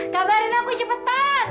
kabarin aku cepetan